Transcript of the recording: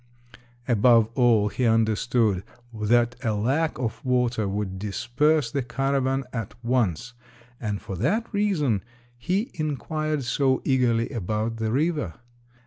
Above all he understood that a lack of water would disperse the caravan at once, and for that reason he inquired so eagerly about the river.